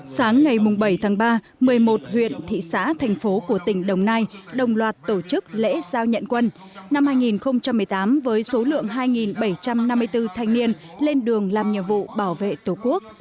sáng ngày bảy tháng ba một mươi một huyện thị xã thành phố của tỉnh đồng nai đồng loạt tổ chức lễ giao nhận quân năm hai nghìn một mươi tám với số lượng hai bảy trăm năm mươi bốn thanh niên lên đường làm nhiệm vụ bảo vệ tổ quốc